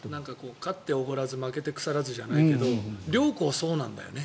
勝っておごらず負けて腐らずじゃないけど両校そうなんだよね。